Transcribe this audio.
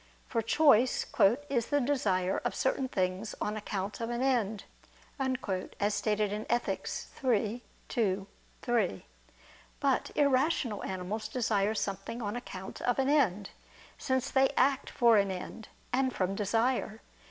For choice "is the desire of certain things on account of an end," as stated in Ethic. iii, 2, 3. But irrational animals desire something on account of an end: since they act for an end, and from desire.